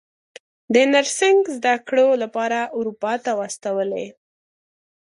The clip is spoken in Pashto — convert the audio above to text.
د نرسنګ زده کړو لپاره اروپا ته واستولې.